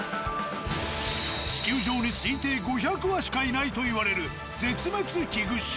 地球上に推定５００羽しかいないといわれる絶滅危惧種。